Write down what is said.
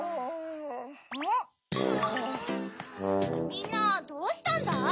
みんなどうしたんだい？